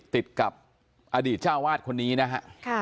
ติดกับอดีตเจ้าวาดคนนี้นะฮะ